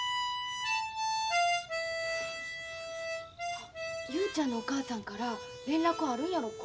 あ雄ちゃんのお母さんから連絡はあるんやろうか。